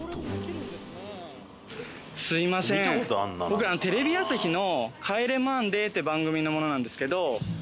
僕テレビ朝日の『帰れマンデー』って番組の者なんですけど。